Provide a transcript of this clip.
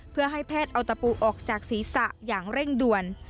เพื่อให้แพทย์เอาตะปูออกจากศีรษะอย่างเร่งด่วน